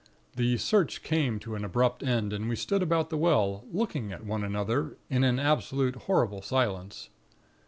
The search came to an abrupt end, and we stood about the well, looking at one another, in an absolute, horrible silence.